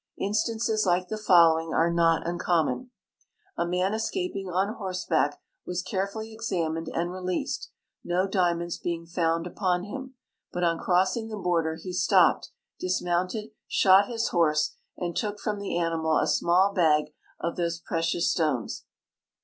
Instances like the following are not uncommon ; A man escaping on horse back was carefully examined and released, no diamonds being found upon him, but on crossing the border he stopped, dis moimted, shot his horse, and took from the animal a small bag of these precious stones.